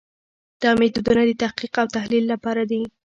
دا میتودونه د تحقیق او تحلیل لپاره دي.